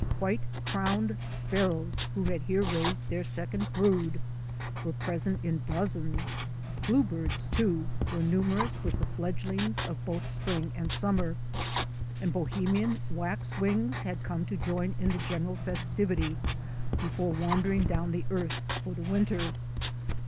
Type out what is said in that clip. White crowned sparrows who had here raised their second brood were present in dozens; bluebirds, too, were numerous with the fledglings of both spring and summer; and Bohemian wax wings had come to join in the general festivity before wandering down the earth for the winter.